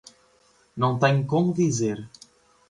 Não tenho como dizer